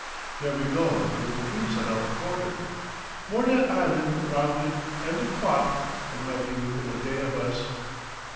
There we go with a little breeze on our quarter, Mordet Island rounded and the quap, it might be within a day of us.